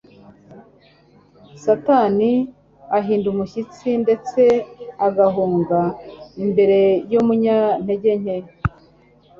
Satani ahinda umushyitsi ndetse agahunga imbere y’umunyantegenke